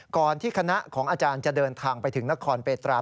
ก่อนที่คณะของอาจารย์จะเดินทางไปถึงนครเปตรา